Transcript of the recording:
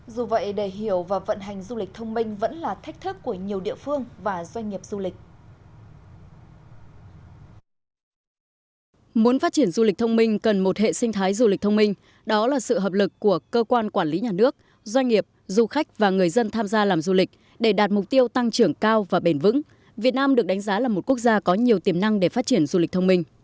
dù vậy để hiểu và vận hành du lịch thông minh vẫn là thách thức của nhiều địa phương và doanh nghiệp du lịch